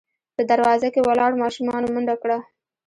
په دروازه کې ولاړو ماشومانو منډه کړه.